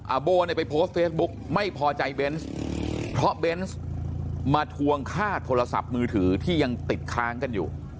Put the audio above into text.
โบเนี่ยไปโพสต์เฟซบุ๊กไม่พอใจเบนส์เพราะเบนส์มาทวงค่าโทรศัพท์มือถือที่ยังติดค้างกันอยู่